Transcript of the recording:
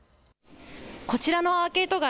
こちらのアーケード街